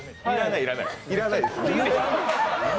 要らない要らない。